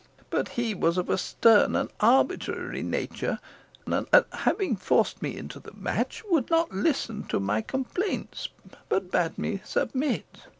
But he was of a stern and arbitrary nature, and, having forced me into the match, would not listen to my complaints, but bade me submit.